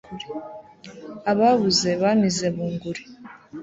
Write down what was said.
Ababuze bamize bunguri